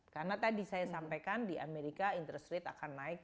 karena tadi saya sampaikan di amerika interest rate akan naik